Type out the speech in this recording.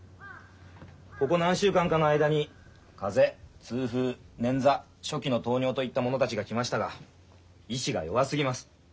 ここ何週間かの間に風邪痛風ねんざ初期の糖尿といった者たちが来ましたが意志が弱すぎます。